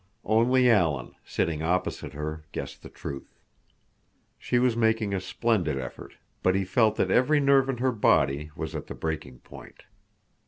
Only Alan, sitting opposite her, guessed the truth. She was making a splendid effort, but he felt that every nerve in her body was at the breaking point.